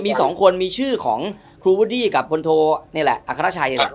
มีสองคนมีชื่อของคลุวดีกับพลโธนี่แหละอัฆราชาย